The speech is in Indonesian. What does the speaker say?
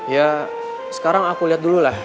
ya sekarang aku lihat dulu lah